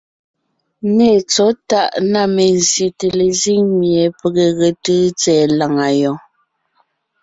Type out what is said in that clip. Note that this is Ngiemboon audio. Nê tsɔ̌ tàʼ na mezsyète lezíŋ mie pege ge tʉ́te tsɛ̀ɛ làŋa yɔɔn.